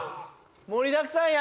・盛りだくさんや！